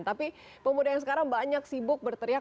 tapi pemuda yang sekarang banyak sibuk berteriak